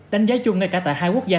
đánh giá chung ngay cả tại hai quốc gia